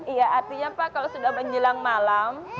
iya artinya pak kalau sudah menjelang malam